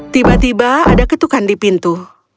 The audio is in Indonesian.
tiba tiba ada ketukan di pintu